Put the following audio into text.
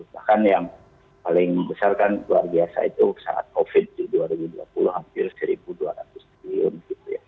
bahkan yang paling besar kan luar biasa itu saat covid di dua ribu dua puluh hampir rp satu dua ratus triliun gitu ya